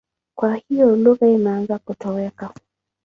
Kwa hiyo lugha imeanza kutoweka.